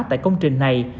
tại công trình này